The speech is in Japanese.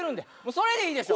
それでいいでしょ？